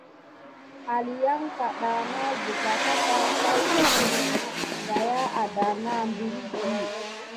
Aliyanka da na ziga taka pay si diy daya adanah beridi.